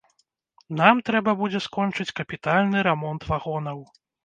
Нам трэба будзе скончыць капітальны рамонт вагонаў.